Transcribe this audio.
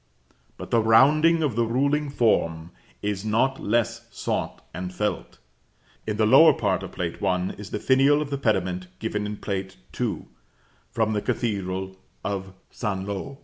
But the rounding of the ruling form is not less sought and felt. In the lower part of Plate I. is the finial of the pediment given in Plate II., from the cathedral of St. Lo.